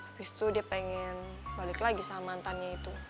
habis itu dia pengen balik lagi sama mantannya itu